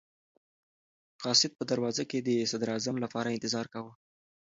قاصد په دروازه کې د صدراعظم لپاره انتظار کاوه.